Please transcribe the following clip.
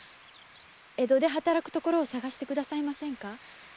江戸で働くところを探してくださいませんか。